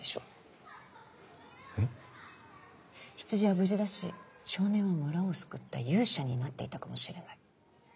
羊は無事だし少年は村を救った勇者になっていたかもしれない。